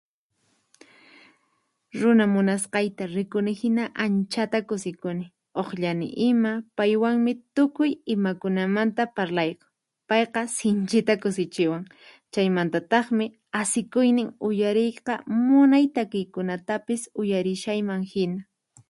Runa munasqayta rikuni hina anchata kusikuni, uqllani ima, paywanmi tukuy imakunamanta parlayku, payqa sinchita kusichiwan, chaymantataqmi asikuynin uyariyqa munay takiykunatapis uyarishayman hina.